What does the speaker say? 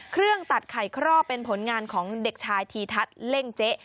เครื่องตัดไข่ครอบเป็นผลงานของเด็กชายธีทัศน์เล่งเจ๊